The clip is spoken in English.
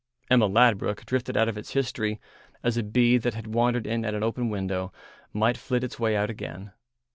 Emma Ladbruk drifted out of its history as a bee that had wandered in at an open window might flit its way out again.